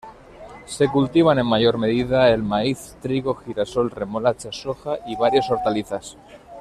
Se cultivan en mayor medida el maíz, trigo, girasol, remolacha, soja y varias hortalizas.